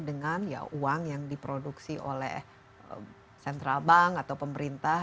dengan uang yang diproduksi oleh sentral bank atau pemerintah